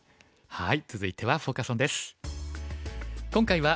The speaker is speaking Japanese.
はい。